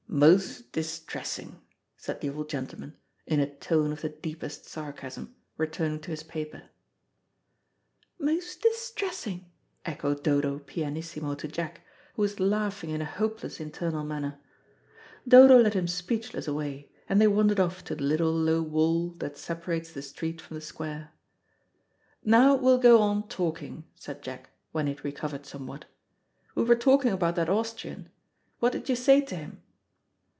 "Most distressin'," said the old gentleman, in a tone of the deepest sarcasm, returning to his paper. "Most distressin'," echoed Dodo pianissimo to Jack, who was laughing in a hopeless internal manner. Dodo led him speechless away, and they wandered off to the little, low wall that separates the street from the square. "Now, we'll go on talking,", said Jack, when he had recovered somewhat. "We were talking about that Austrian. What did you say to him?"